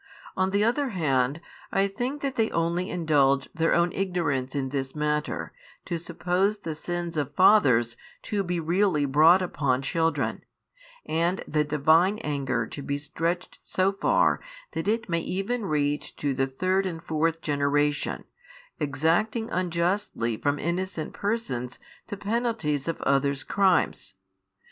On the other hand, I think that they only indulge their own ignorance in this matter, to suppose the sins of fathers to be really brought upon children, and the Divine anger to be stretched so far that it may even reach to the third and fourth generation, exacting unjustly from innocent persons the penalties of others' crimes.